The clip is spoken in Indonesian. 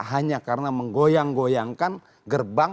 hanya karena menggoyang goyangkan gerbang